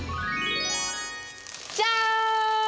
じゃん！